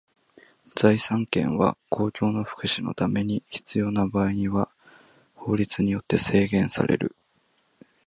財産権は公共の福祉のために必要な場合には法律によって制限される。